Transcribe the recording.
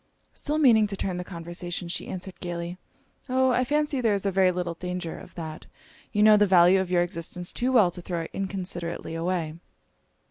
Still meaning to turn the conversation, she answered gaily 'O, I fancy there is very little danger of that you know the value of your existence too well to throw it inconsiderately away.'